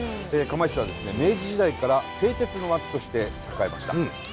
釜石市はですね明治時代から製鉄の町として栄えました。